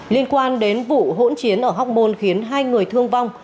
liên quan đến vụ hỗn chiến ở hóc môn khiến hai người thương vong